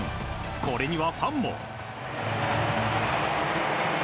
これにはファンも。